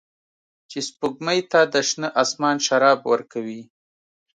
چې سپوږمۍ ته د شنه اسمان شراب ورکوي